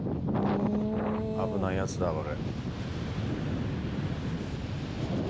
危ないやつだ、これ。